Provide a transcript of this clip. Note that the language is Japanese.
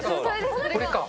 これか。